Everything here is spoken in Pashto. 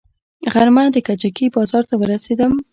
غرمه د کجکي بازار ته ورسېدم.